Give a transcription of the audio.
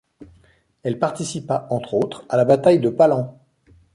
Elle participa, entre autres, à la bataille de Palan.